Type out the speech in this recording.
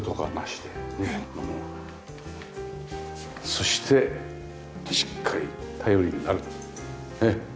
そしてしっかり頼りになるねっ。